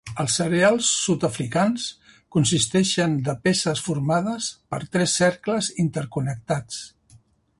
Els cereals sud-africans consisteixen de peces formades per tres cercles interconnectats.